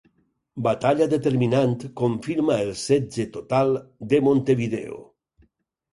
Batalla determinant, confirma el setge total de Montevideo.